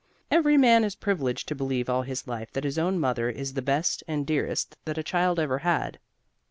Every man is privileged to believe all his life that his own mother is the best and dearest that a child ever had.